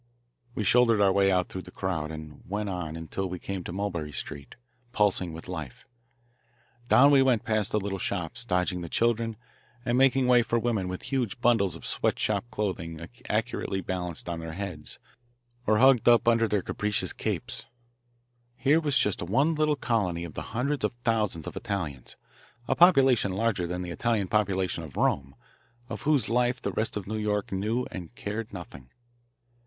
We shouldered our way out through the crowd and went on until we came to Mulberry Street, pulsing with life. Down we went past the little shops, dodging the children, and making way for women with huge bundles of sweatshop clothing accurately balanced on their heads or hugged up under their capacious capes. Here was just one little colony of the hundreds of thousands of Italians a population larger than the Italian population of Rome of whose life the rest of New York knew and cared nothing.